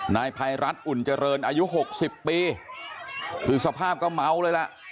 นายภัยรัฐอุ่นเจริญอายุหกสิบปีคือสภาพก็เมาเลยล่ะ